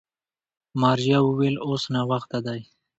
ماريا وويل اوس ناوخته دی.